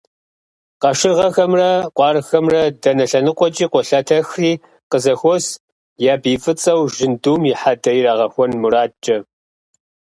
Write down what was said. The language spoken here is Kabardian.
Къашыргъэхэмрэ къуаргъхэмрэ дэнэ лъэныкъуэкӀи къолъэтэхри къызэхуос, я бий фӀыцӀэу жьындум и хьэдэ ирагъэхуэн мурадкӀэ.